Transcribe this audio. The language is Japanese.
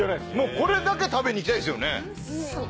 これだけ食べに行きたいですよね。